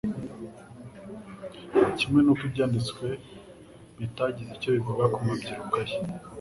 kimwe n'uko ibyanditswe bitagize icyo bivuga ku mabyiruka ye.